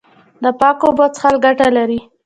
د پاکو اوبو څښل ګټه لري.